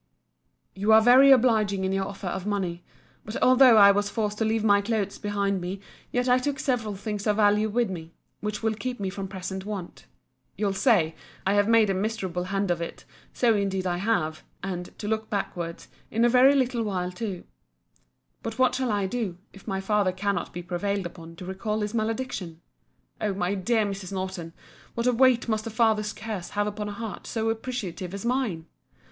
You are very obliging in your offer of money. But although I was forced to leave my clothes behind me, yet I took several things of value with me, which will keep me from present want. You'll say, I have made a miserable hand of it—so indeed I have—and, to look backwards, in a very little while too. But what shall I do, if my father cannot be prevailed upon to recall his malediction? O my dear Mrs. Norton, what a weight must a father's curse have upon a heart so appreciative as mine!